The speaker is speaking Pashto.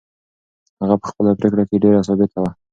هغه په خپله پرېکړه کې ډېره ثابته وه.